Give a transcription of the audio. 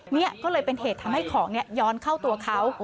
นี่ก็เลยเป็นเหตุทำให้ของย้อนเข้าตัวเขา